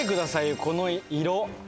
よこの色。